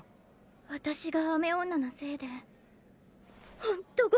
私が雨女なせいでホントごめん！